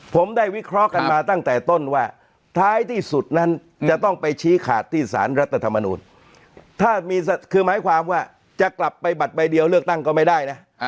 ผมได้วิเคราะห์กันมาตั้งแต่ต้นว่าท้ายที่สุดนั้นจะต้องไปชี้ขาดที่สารรัฐธรรมนูลถ้ามีคือหมายความว่าจะกลับไปบัตรใบเดียวเลือกตั้งก็ไม่ได้นะ